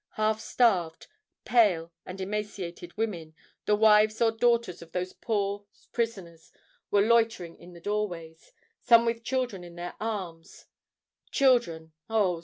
Half starved, pale, and emaciated women—the wives or daughters of those poor prisoners—were loitering at the doorways,—some with children in their arms—children, Oh!